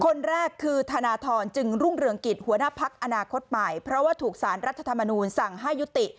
คนแรกคือธนทรจึงรุ่งเรืองกิจหัวหน้าพักอนาคตใหม่เพราะว่าถูกสารรัฐธรรมนูลสั่งให้ยุติ